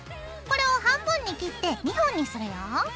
これを半分に切って２本にするよ。